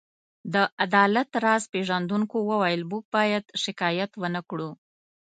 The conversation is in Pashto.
د عدالت راز پيژندونکو وویل: موږ باید شکایت ونه کړو.